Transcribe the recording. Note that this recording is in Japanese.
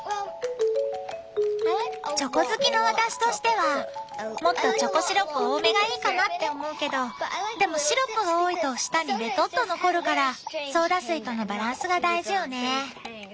チョコ好きの私としてはもっとチョコシロップ多めがいいかなって思うけどでもシロップが多いと舌にべとっと残るからソーダ水とのバランスが大事よね。